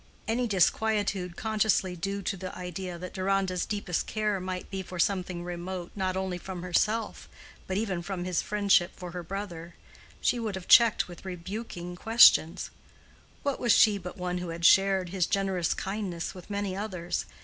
Any disquietude consciously due to the idea that Deronda's deepest care might be for something remote not only from herself but even from his friendship for her brother, she would have checked with rebuking questions:—What was she but one who had shared his generous kindness with many others?